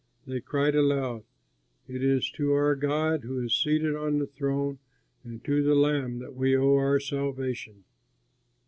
They cried aloud, "It is to our God who is seated on the throne and to the Lamb that we owe our salvation!"